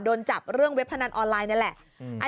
โดนจับเรื่องเว็บพนันออนไลน์นี่แหละ